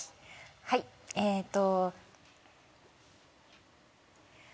はいえと。